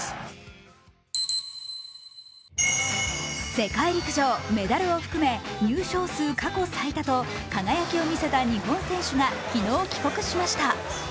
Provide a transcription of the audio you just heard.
世界陸上メダルを含め入賞数過去最多と輝きを見せた日本選手が昨日、帰国しました。